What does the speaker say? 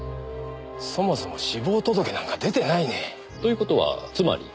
そもそも死亡届なんか出てないね。という事はつまり。